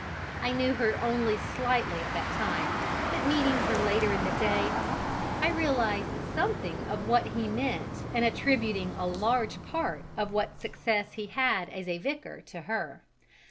I knew her only slightly at that time, but meeting her later in the day, I realized something of what he meant in attributing a large part of what success he had as a vicar to her.